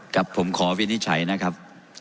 ครับผมขอวินิจฉัยนะครับ